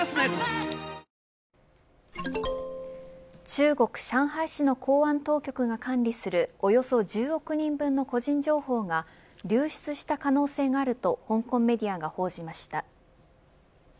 ＪＴ中国、上海市の公安当局が管理するおよそ１０億人分の個人情報が流出した可能性があると香港メディアが報じました。